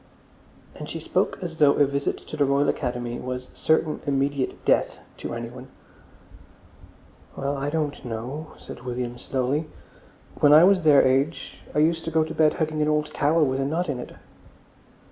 And she spoke as though a visit to the Royal Academy was certain immediate death to anyone.... "Well, I don't know," said William slowly. "When I was their age I used to go to bed hugging an old towel with a knot in it."